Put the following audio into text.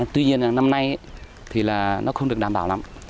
tuy nhiên năm nay thì là nó không được đảm bảo lắm